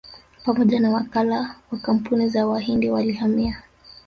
Pamoja na mawakala wa kampuni za Wahindi walihamia